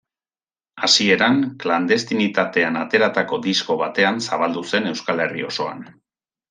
Hasieran, klandestinitatean ateratako disko batean zabaldu zen Euskal Herri osoan.